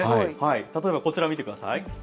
例えば、こちら見てください。